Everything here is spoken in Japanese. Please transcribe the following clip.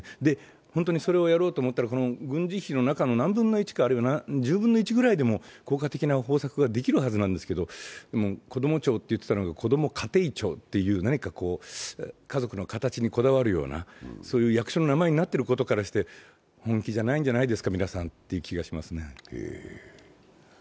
本当にそれをやろうと思ったら軍事費の中の何十分の１か、あるいは１０分の１ぐらいでも効果的な方策ができるはずなんですけど、こども庁と言ってたのがこども家庭庁というふうに家族の形にこだわるような役所の名前になってるところからして本気じゃないんじゃないですか、皆さんという気がしますね。